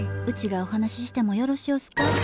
うちがお話ししてもよろしおすか？